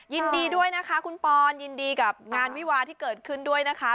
ยินดีด้วยนะคะคุณปอนยินดีกับงานวิวาที่เกิดขึ้นด้วยนะคะ